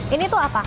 ini tuh apa